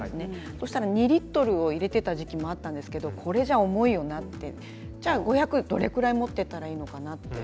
そうしたら２リットルを入れていた時期もあったんですけれどもこれじゃ重いなとじゃあ５００ミリリットルどれくらい持っていったらいいのかなと。